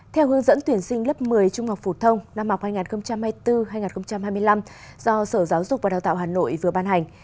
theo hướng dẫn tuyển sinh lớp một mươi trung học phổ thông năm học hai nghìn hai mươi bốn hai nghìn hai mươi năm do sở giáo dục và đào tạo hà nội vừa ban hành